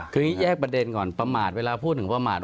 คือแยกประเด็นก่อนประมาทเวลาพูดถึงประมาท